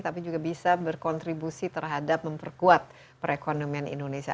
dan juga bisa berkontribusi terhadap memperkuat perekonomian indonesia